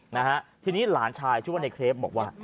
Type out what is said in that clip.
นะฮะทีนี้หลานชายชื่อว่าในเครปบอกว่า